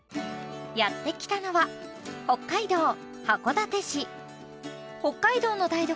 やってきたのは北海道の台所